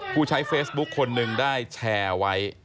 ผู้ใช้เฟซบุ๊คคนหนึ่งได้แชร์ไว้